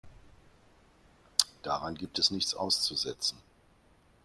Daran gibt es nichts auszusetzen.